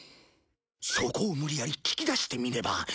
そこを無理やり聞き出してみれば。